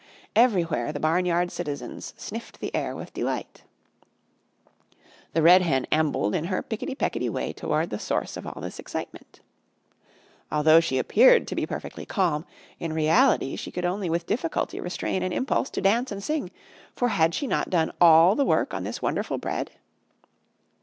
Everywhere the barnyard citizens sniffed the air with delight. The Red Hen ambled in her picketty pecketty way toward the source of all this excitement. Although she appeared to be perfectly calm, in reality she could only with difficulty restrain an impulse to dance and sing, for had she not done all the work on this wonderful bread?